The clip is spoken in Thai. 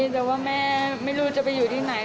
แต่ว่าแม่ไม่รู้จะไปอยู่ที่ไหน